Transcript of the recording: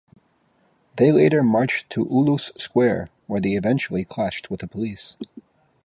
They later marched to Ulus Square where they eventually clashed with the police.